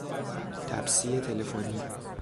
تپسی تلفنی